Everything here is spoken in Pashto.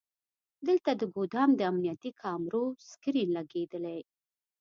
دلته د ګودام د امنیتي کامرو سکرین لګیدلی.